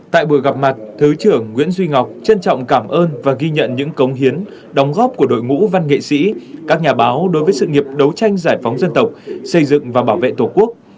tại buổi gặp mặt thứ trưởng nguyễn duy ngọc trân trọng cảm ơn và ghi nhận những cống hiến đóng góp của đội ngũ văn nghệ sĩ các nhà báo đối với sự nghiệp đấu tranh giải phóng dân tộc xây dựng và bảo vệ tổ quốc